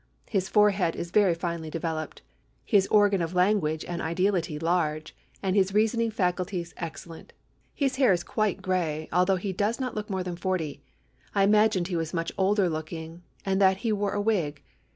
His forehead is very finely developed, his organ of language and ideality large, and his reasoning faculties excellent. His hair is quite gray, although he does not look more than forty. I imagined he was much older looking, and that he wore a wig.